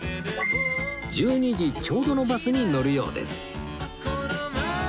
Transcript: １２時ちょうどのバスに乗るようです